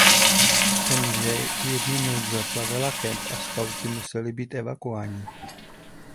Temže jednu noc zaplavila kemp a skauti museli být evakuováni.